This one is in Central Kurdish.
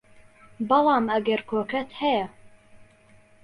بەڵام ئەگەر کۆکەت هەیە